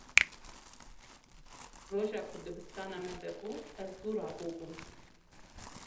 Roja ku dibistana me vebû, ez zû rabûbûm.